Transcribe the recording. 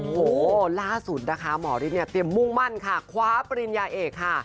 โอ้โหล่าสุดนะคะหมอฤทธิเนี่ยเตรียมมุ่งมั่นค่ะคว้าปริญญาเอกค่ะ